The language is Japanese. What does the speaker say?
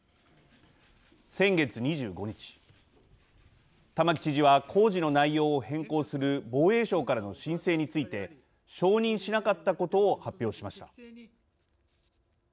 先月２５日、玉城知事は工事の内容を変更する防衛省からの申請について承認しなかったことを発表しました。